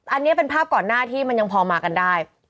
อันนี้เป็นภาพก่อนหน้าที่มันยังพอมากันได้